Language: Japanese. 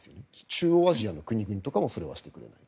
中央アジアの国もそれはしてくれない。